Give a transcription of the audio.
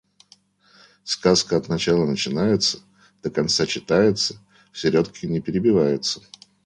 Сказка от начала начинается, до конца читается, в середке не перебивается.